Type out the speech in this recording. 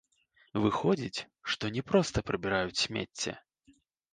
Выходзіць, што не проста прыбіраюць смецце.